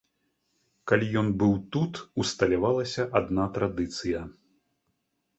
Калі ён быў тут, усталявалася адна традыцыя.